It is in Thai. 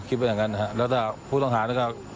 คิดว่าอย่างงั้นนะครับแล้วถ้าผู้ต้องหาเนี่ยก็